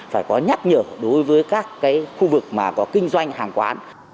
phải có nhắc nhở đối với các khu vực mà có kinh doanh hàng quán